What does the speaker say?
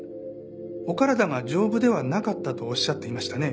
お体が丈夫ではなかったとおっしゃっていましたね。